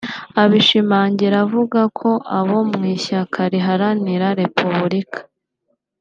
Abishimangira avuga ko abo mu ishyaka riharanira repubulika